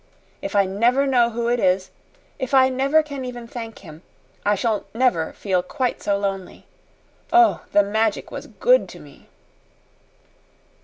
If I never know who it is if I never can even thank him I shall never feel quite so lonely. Oh, the Magic was GOOD to me!"